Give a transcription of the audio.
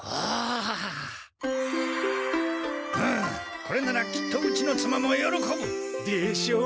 これならきっとうちの妻もよろこぶ！でしょう！